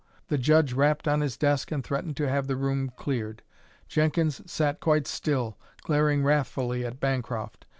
The judge rapped on his desk and threatened to have the room cleared. Jenkins sat quite still, glaring wrathfully at Bancroft.